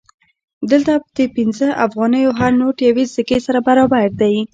دلته د پنځه افغانیو هر نوټ یوې سکې سره برابر دی